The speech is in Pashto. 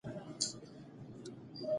خلک کله ناکله پوښتنه کوي.